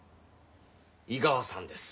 井川さんです。